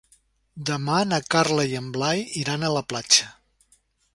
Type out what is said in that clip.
Demà na Carla i en Blai iran a la platja.